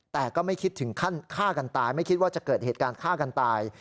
แต่ก็ไม่คิดถึงขั้นฆ่ากันตายไม่คิดว่าจะเกิดเหตุการณ์ฆ่ากันตาย